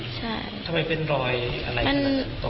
อืมทำไมเป็นรอยอะไรอย่างนั้น